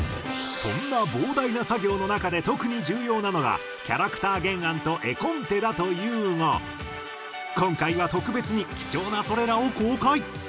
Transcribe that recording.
そんな膨大な作業の中で特に重要なのがキャラクター原案と絵コンテだというが今回は特別に貴重なそれらを公開。